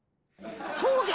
そうじゃ！